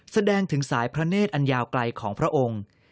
แสดงถึงสายพระเนธอันยาวไกลของพระองค์